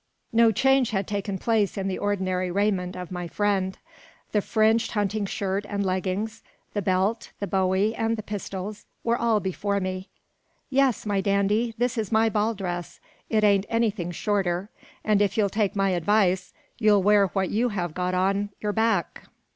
No change had taken place in the ordinary raiment of my friend. The fringed hunting shirt and leggings, the belt, the bowie, and the pistols, were all before me. "Yes, my dandy; this is my ball dress: it ain't anything shorter; and if you'll take my advice, you'll wear what you have got on your back.